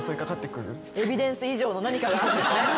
エビデンス以上の何かがあるんですね。